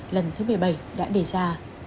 quảng trị lần thứ một mươi bảy đã đề ra